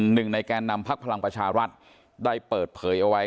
หนึ่งในแกนนำพักพลังประชารัฐได้เปิดเผยเอาไว้